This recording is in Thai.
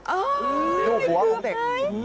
อ้าวหัวของเด็ก